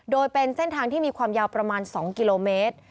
โดยเป็นเส้นทางที่มีความยาวประมาณ๒กิโลเมตร